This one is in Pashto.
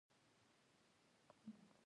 لکه د ژوند په نوم یې څه نه وي تجربه کړي.